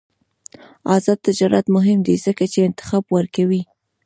آزاد تجارت مهم دی ځکه چې انتخاب ورکوي.